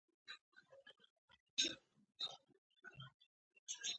دا ټولې ابادۍ په سوځنده دښتو کې دي.